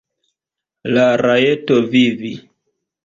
La rajto vivi.